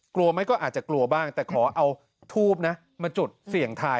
กลัวไหมก็อาจจะกลัวบ้างแต่ขอเอาทูบนะมาจุดเสี่ยงทาย